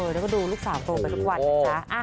แล้วก็ดูลูกสาวโตไปทุกวันนะจ๊ะ